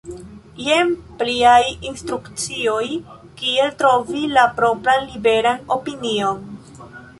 Jen pliaj instrukcioj kiel trovi la propran liberan opinion!